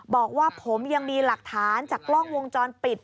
บอกว่าผมยังมีหลักฐานจากกล้องวงจรปิด